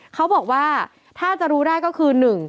เขาบอกว่าถ้าจะรู้ได้ก็คือ